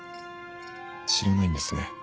知らないんですね。